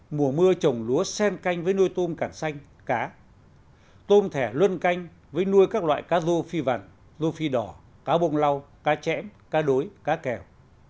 mùa mưa trồng lúa sen canh với nuôi tôm càng xanh cá tôm thẻ luân canh với nuôi các loại cá rô phi vằn rô phi đỏ cá bông lau cá chẽm cá đối cá kẹo